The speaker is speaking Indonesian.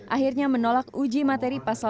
akhirnya menolak uji materi pasal dua ratus dua puluh dua